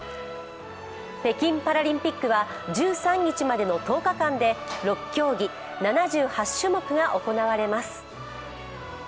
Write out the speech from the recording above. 北京パラリンピックは１３日までの１０日間で６競技７８種目が行われます。